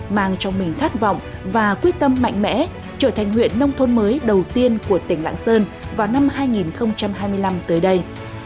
mang trong mình khát vọng và quyết tâm mạnh mẽ trở thành huyện nông thôn mới đầu tiên của tỉnh lạng sơn vào năm hai nghìn hai mươi năm tới đây